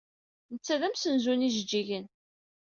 Netta d amsenzu n yijejjigen.